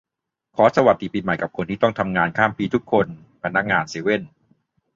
ขอสวัสดีปีใหม่กับคนที่ต้องทำงานข้ามปีทุกคน พนักงานเซเว่น